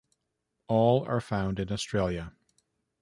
All are found in Australia.